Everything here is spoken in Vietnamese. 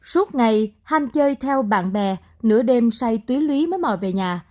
suốt ngày hành chơi theo bạn bè nửa đêm say túy lúy mới mọi về nhà